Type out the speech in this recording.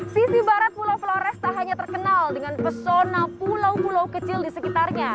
sisi barat pulau flores tak hanya terkenal dengan pesona pulau pulau kecil di sekitarnya